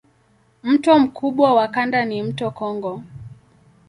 Mto mkubwa wa kanda ni mto Kongo.